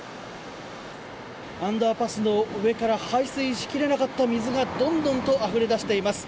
アンダーパスの上から排水しきれなかった水がどんどんとあふれ出しています。